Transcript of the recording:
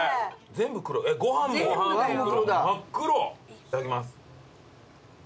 いただきます。